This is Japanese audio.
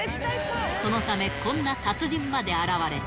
そのため、こんな達人まで現れた。